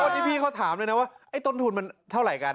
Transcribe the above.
วันนี้พี่เขาถามเลยนะว่าไอ้ต้นทุนมันเท่าไหร่กัน